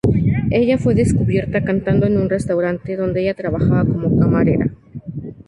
Ella fue descubierta cantando en un restaurante, donde ella trabajaba como camarera.